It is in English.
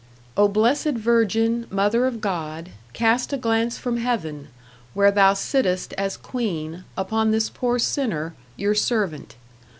O Blessed Virgin, Mother of God, cast a glance from Heaven, where thou sittest as Queen, upon this poor sinner, your servant.